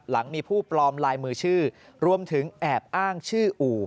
หลังมีผู้ปลอมลายมือชื่อรวมถึงแอบอ้างชื่ออู่